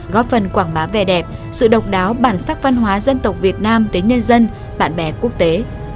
góp phần quảng bá vẻ đẹp sự độc đáo bản sắc văn hóa dân tộc việt nam đến nhân dân bạn bè quốc tế